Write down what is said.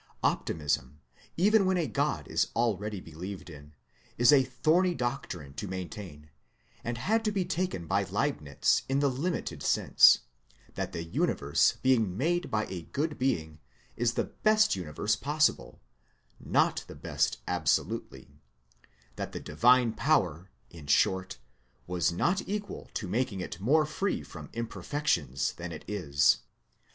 Opti mism, even when a God is already believed in, is a thorny doctrine to maintain, and had to be taken by Leibnitz in the limited sense, that the universe being made by a good being, is the best universe possible, not the best absolutely: that the Divine M 2 166 THEISM power, in short, was not equal to making it more free from imperfections than it is.